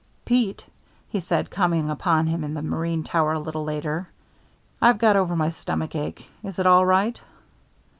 "Pete," he said, coming upon him in the marine tower a little later, "I've got over my stomach ache. Is it all right?"